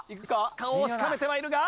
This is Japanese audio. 顔をしかめてはいるが。